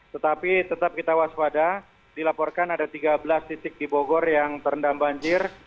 tetapi tetap kita waspada dilaporkan ada tiga belas titik di bogor yang terendam banjir